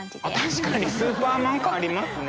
確かにスーパーマン感ありますね。